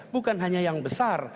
bukan hanya yang besar